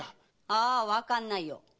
ああわからないよ。